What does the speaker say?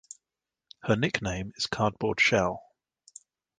Her nickname is "Cardboard Shell".